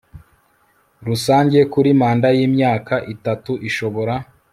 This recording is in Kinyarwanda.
Rusange kuri manda y imyaka itatu ishobora